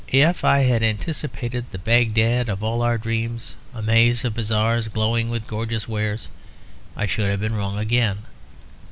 If I had anticipated the Bagdad of all our dreams, a maze of bazaars glowing with gorgeous wares, I should have been wrong again.